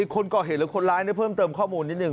คนก่อเหตุหรือคนร้ายเพิ่มเติมข้อมูลนิดนึ